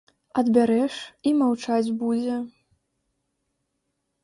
Адбярэш, і маўчаць будзе.